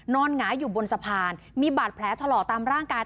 หงายอยู่บนสะพานมีบาดแผลชะลอตามร่างกาย